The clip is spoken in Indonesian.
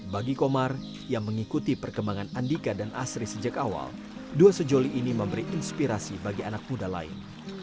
bagi komar yang mengikuti perkembangan andika dan asri sejak awal dua sejoli ini memberi inspirasi bagi anak muda lain